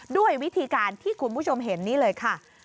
ด้วยวิธีการที่คุณผู้ชมเห็นนี่เลยค่ะ